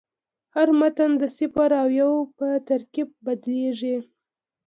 هر متن د صفر او یو په ترکیب بدلېږي.